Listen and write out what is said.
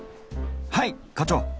はい課長。